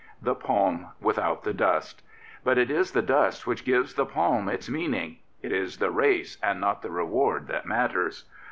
"'" The palm without the dust." But it is the dust which gives the palm its meaning; it is the race and not the reward that matters.